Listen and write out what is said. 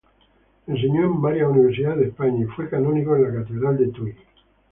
Enseñó en varias universidades de España y fue canónigo de la catedral de Tuy.